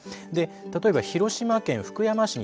例えば広島県福山市に。